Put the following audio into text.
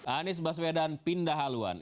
anies baswedan pindah haluan